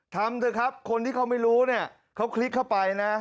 ทำเถอะครับคนที่เขาไม่รู้เนี่ยเขาคลิกเข้าไปนะ